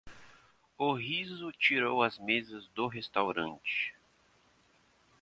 O riso tirou as mesas do restaurante.